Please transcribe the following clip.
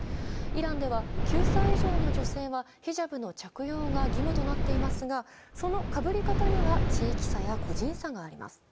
イランでは９歳以上の女性はヒジャブの着用が義務となっていますが、そのかぶり方には地域差や個人差があります。